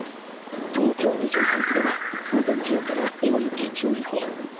東京２３区では午前中から大雪注意報。